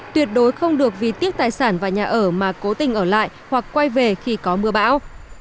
tuyệt đối không được vì tiếc tài sản và nhà ở mà cố tình ở lại hoặc quay về khi có mưa bão